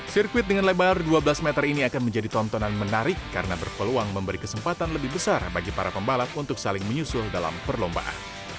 sirkuit dengan lebar dua belas meter ini akan menjadi tontonan menarik karena berpeluang memberi kesempatan lebih besar bagi para pembalap untuk saling menyusul dalam perlombaan